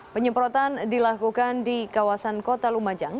penyemprotan dilakukan di kawasan kota lumajang